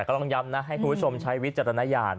ต้องย้ำนะให้คุณผู้ชมใช้วิจารณญาณ